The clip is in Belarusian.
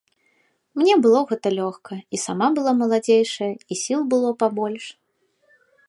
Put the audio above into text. Мне было гэта лёгка, і сама была маладзейшая, і сіл было пабольш.